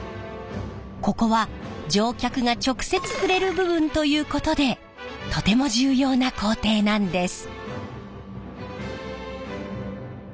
ここは乗客が直接触れる部分ということでとても重要な工程なんです。